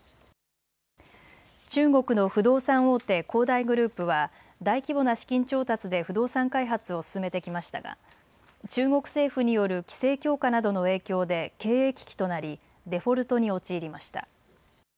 中国の不動産大手、恒大グループは大規模な資金調達で不動産開発を進めてきましたが中国政府による規制強化などの影響で経営危機となりデフォルトに陥りました。